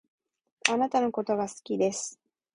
貴方のことが好きです